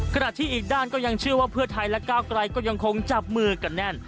ขณะที่อีกด้านก็ยังเชื่อว่าเพื่อไทยและก้าวไกลก็ยังคงจับมือกันแน่น